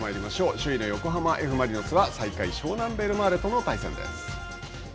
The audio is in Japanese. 首位の横浜Ｆ・マリノスは、最下位、湘南ベルマーレとの対戦です。